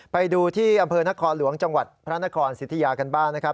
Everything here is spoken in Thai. ไปดูที่อำเภอนครหลวงจังหวัดพระนครสิทธิยากันบ้างนะครับ